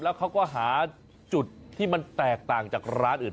อันนี้เนี่ยที่มันแตกต่างจากร้านอื่น